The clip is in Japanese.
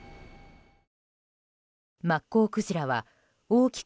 マッコウクジラは大きく